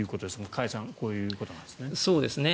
加谷さんこういうことなんですね。